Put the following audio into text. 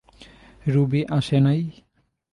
Ruby আসে নাই?